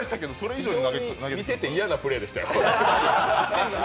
非常に見てて嫌なプレーでしたよ。